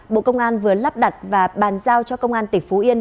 bộ công an vừa lắp đặt và bàn giao cho công an tỉnh phú yên